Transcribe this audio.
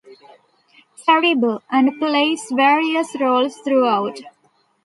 Terrible, and plays various roles throughout.